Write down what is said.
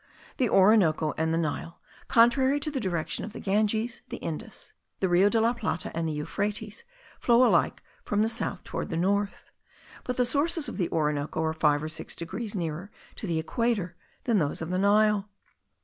The Orinoco and the Nile, contrary to the direction of the Ganges, the Indus, the Rio de la Plata, and the Euphrates, flow alike from the south toward the north; but the sources of the Orinoco are five or six degrees nearer to the equator than those of the Nile.